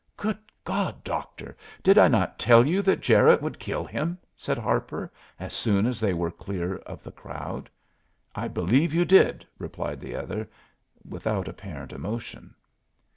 "Good God, Doctor! did I not tell you that Jarette would kill him?" said Harper, as soon as they were clear of the crowd. "I believe you did," replied the other, without apparent emotion.